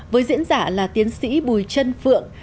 với diễn giả là tiến sĩ bùi trân phượng